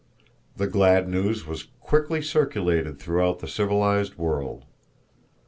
The glad news was quickly circulated throughout the civilized world.